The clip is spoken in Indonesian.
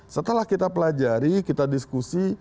setelah kita pelajari kita diskusi